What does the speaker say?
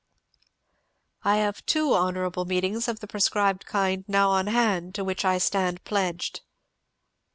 "I have two honourable meetings of the proscribed kind now on hand, to which I stand pledged."